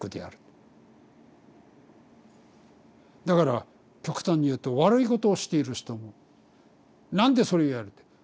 だから極端に言うと悪いことをしている人も何でそれをやるんだ？